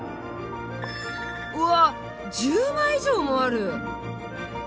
うわっ１０枚以上もある！